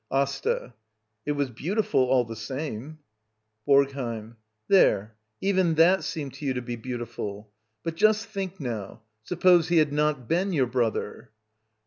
AsTA. It was beautiful, all the same. BoRGHElM. There — even that seemed to you to be beautiful. But just think now — suppose he had not been your brother!